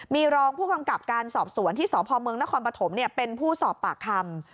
มีรองผู้กำกับการสอบสวนที่สพเมืองนครปฐมเป็นผู้สอบปากคำ